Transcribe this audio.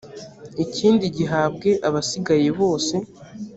ikindi gihabwe abasigaye bose